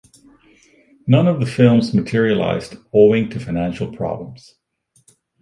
None of the films materialised owing to financial problems.